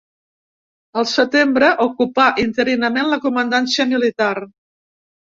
El setembre, ocupà interinament la comandància militar.